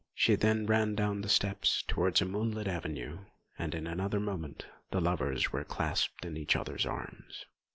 She then ran down the steps towards a moonlit avenue, and in another moment the lovers were clasped in each other's arms.